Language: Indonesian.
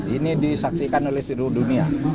ini disaksikan oleh seluruh dunia